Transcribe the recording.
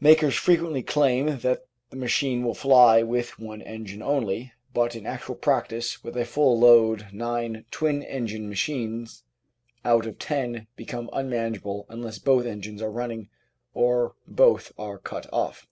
Makers frequently claim that the machine will fly with one engine only, but in actual practice with a full load nine twin engine machines out of ten become unmanageable unless both engines are running or both are cut off.